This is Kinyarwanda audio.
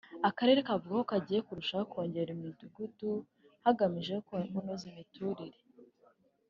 Akarere kavuga ko kagiye kurushaho kongera imidugudu hagamijwe kunoza imiturire